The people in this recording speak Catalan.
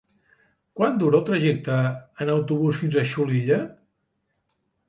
Quant dura el trajecte en autobús fins a Xulilla?